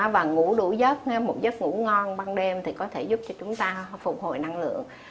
và ngủ đủ giấc một giấc ngủ ngon ban đêm thì có thể giúp cho chúng ta phục hồi năng lượng